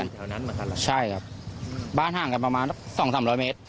แถวนั้นเหมือนกันเหรอใช่ครับบ้านห่างกันประมาณสองสามร้อยเมตร